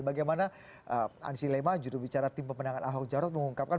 bagaimana ansi lema jurubicara tim pemenangan ahok jarot mengungkapkan